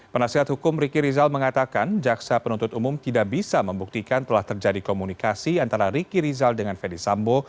penasihat hukum riki rizal mengatakan jaksa penuntut umum tidak bisa membuktikan telah terjadi komunikasi antara riki rizal dengan fedy sambo